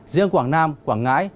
riêng quảng nam quảng ngãi